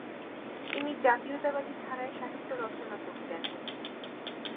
তিনি জাতীয়তাবাদী ধারায় সাহিত্য রচনা করতেন।